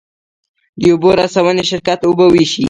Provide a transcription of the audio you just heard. د اوبو رسونې شرکت اوبه ویشي